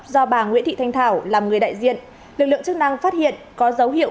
do bà nguyễn thị thanh thảo làm người đại diện lực lượng chức năng phát hiện có dấu hiệu